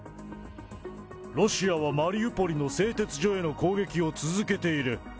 ロシアはマリウポリの製鉄所への攻撃を続けている。